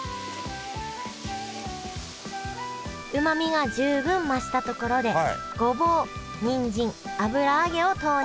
うまみが十分増したところでごぼうにんじん油揚げを投入